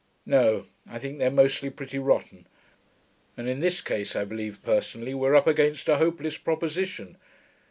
'No; I think they're mostly pretty rotten. And in this case I believe, personally, we're up against a hopeless proposition.